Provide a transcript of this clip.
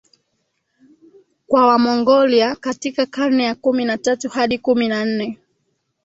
kwa Wamongolia katika karne ya kumi na tatu Hadi kumi na nne